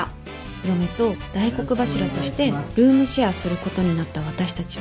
嫁と大黒柱としてルームシェアすることになった私たちは。